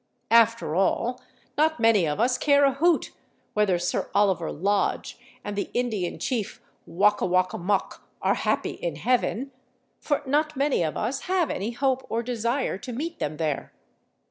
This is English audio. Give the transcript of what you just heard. After all, not many of us care a hoot whether Sir Oliver Lodge and the Indian chief Wok a wok a mok are happy in heaven, for not many of us have any hope or desire to meet them there.